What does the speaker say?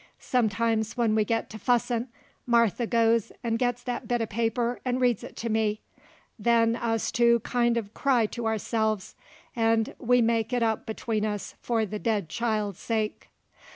Sometimes when we get to fussin', Martha goes 'nd gets that bit of paper 'nd reads it to me; then us two kind uv cry to ourselves, 'nd we make it up between us for the dead child's sake.